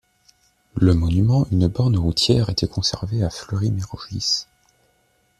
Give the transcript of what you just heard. Le monument, une Borne routière, était conservé à Fleury-Mérogis.